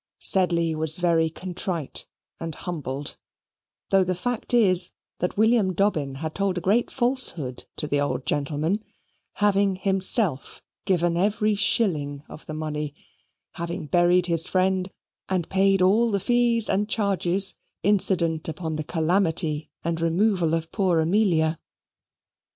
Sedley was very contrite and humbled, though the fact is that William Dobbin had told a great falsehood to the old gentleman; having himself given every shilling of the money, having buried his friend, and paid all the fees and charges incident upon the calamity and removal of poor Amelia.